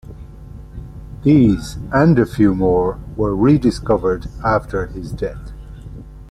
These, and a few more, were rediscovered after his death.